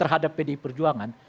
terhadap pdi perjuangan